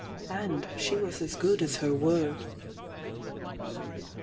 And she was as good as her word.